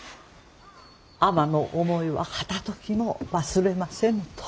尼の思いは片ときも忘れませぬと。